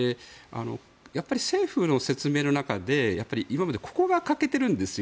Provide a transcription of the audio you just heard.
やっぱり政府の説明の中で今までここが欠けているんですよ。